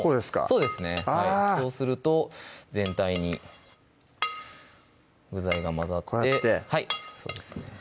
そうですねそうすると全体に具材が混ざってこうやってはいそうですね